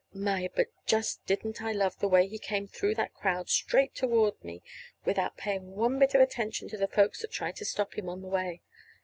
My! but just didn't I love the way he came through that crowd, straight toward me, without paying one bit of attention to the folks that tried to stop him on the way.